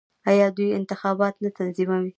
آیا دوی انتخابات نه تنظیموي؟